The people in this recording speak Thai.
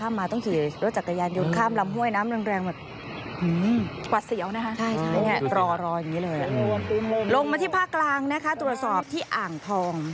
ลงมาที่ภาคกลางนะคะตรวจสอบที่อ่างทอง